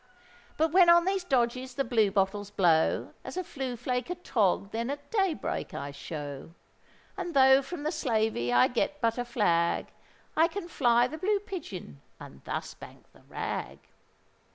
But when on these dodges the blue bottles blow, As a flue flaker togg'd then at day break I show: And though from the slavey I get but a flag, I can fly the blue pigeon and thus bank the rag.